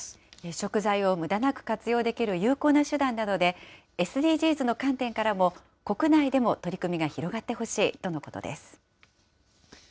食材をむだなく活用できる有効な手段なので、ＳＤＧｓの観点からも、国内でも取り組みが広がってほしいとのことです。